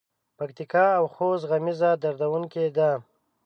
پکتیکا او خوست غمیزه دردوونکې ده.